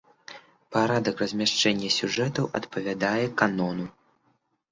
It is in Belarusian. Парадак размяшчэння сюжэтаў адпавядае канону.